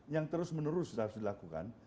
yang terus menerus harus dilakukan